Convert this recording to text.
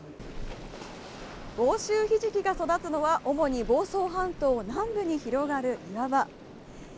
房州ひじきが育つのは主に房総半島南部に広がる岩場。